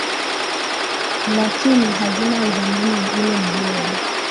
lakini hazina udhamani wa ule mgodi